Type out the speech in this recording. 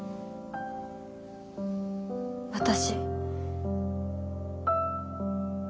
私。